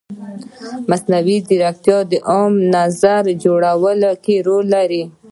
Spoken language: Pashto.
مصنوعي ځیرکتیا د عامه نظر جوړولو کې رول لري.